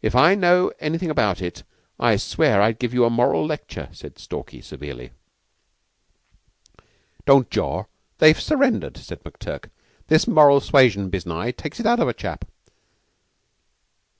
"If I knew anything about it, I swear I'd give you a moral lecture," said Stalky severely. "Don't jaw; they've surrendered," said McTurk. "This moral suasion biznai takes it out of a chap."